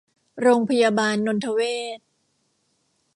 โรงพยาบาลนนทเวช